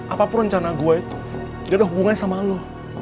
apapun rencana gue itu dia ada hubungannya sama lo